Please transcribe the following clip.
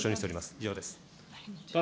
以上です。